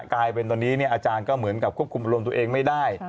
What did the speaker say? กลายเป็นตอนนี้อาจารย์ก็เหมือนกับควบคุมอารมณ์ตัวเองไม่ได้